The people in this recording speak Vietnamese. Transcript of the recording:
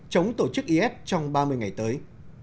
chống tổ chức is trong ba mươi ngày tới